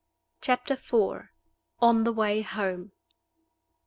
CHAPTER IV. ON THE WAY HOME.